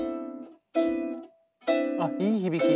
あっいい響き！